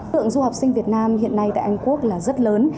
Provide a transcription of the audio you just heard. tượng du học sinh việt nam hiện nay tại anh quốc là rất lớn